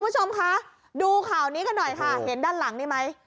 คุณผู้ชมคะดูข่าวนี้กันหน่อยค่ะเห็นด้านหลังนี่ไหม